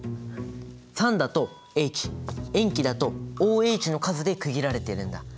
酸だとＨ塩基だとＯＨの数で区切られてるんだ。